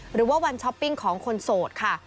หรือว่าวันช้อปปิ้งของคนโสดค่ะ